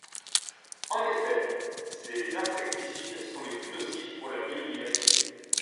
En effet, ces insecticides sont les plus nocifs pour la biodiversité.